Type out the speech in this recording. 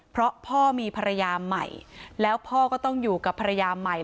เพราะพ่อมีภรรยาใหม่แล้วพ่อก็ต้องอยู่กับภรรยาใหม่